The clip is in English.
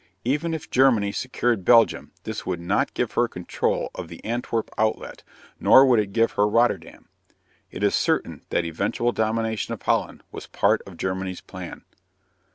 Even if Germany secured Belgium this would not give her control of the Antwerp outlet nor would it give her Rotterdam. It is certain that eventual domination of Holland was part of Germany's plan.